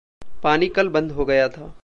पानी कल बंद हो गया था।